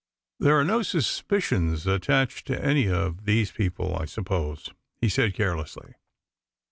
"There are no suspicions attaching to any of these people, I suppose?" he said carelessly.